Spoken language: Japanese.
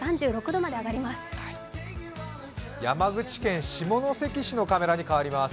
３６度まで上がります。